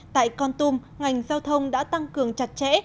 tại con tum ngành giao thông đã tăng cường chặt chẽ